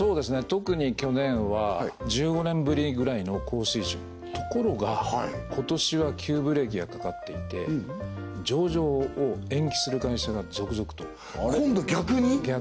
特に去年は１５年ぶりぐらいの高水準ところが今年は急ブレーキがかかっていて上場を延期する会社が続々と今度逆に？